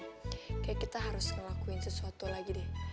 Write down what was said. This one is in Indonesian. oke kita harus ngelakuin sesuatu lagi deh